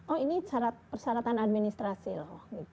oh ini persyaratan administrasi loh